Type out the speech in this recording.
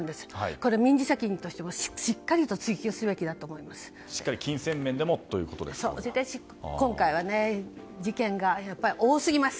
これ民事責任としてもしっかりと追及すべきだとしっかり金銭面でも総じて、今回はね。事件が多すぎます。